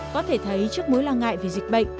có thể thấy trước mối lo ngại về dịch bệnh